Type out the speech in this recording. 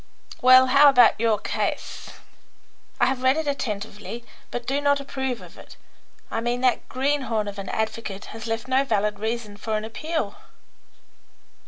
"Well, how about your case? I have read it attentively, but do not approve of it. I mean that greenhorn of an advocate has left no valid reason for an appeal."